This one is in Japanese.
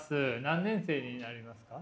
何年生になりますか？